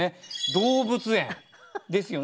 「動物園」ですよね。